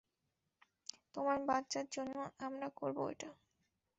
তোমার বাচ্চার জন্য আমরা করবো এটা।